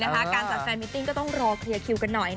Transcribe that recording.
การจากแฟมมิตติ้งก็ต้องรอคือกันหน่อย